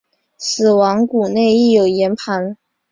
死亡谷内亦有盐磐。